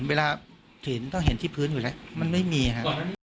เวลาเห็นต้องเห็นที่พื้นอยู่แล้วมันไม่มีครับ